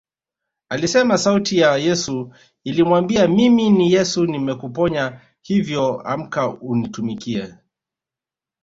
Alisema sauti ya Yesu ilimwambia Mimi ni Yesu nimekuponya hivyo amka unitumikie